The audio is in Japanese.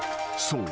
［そう。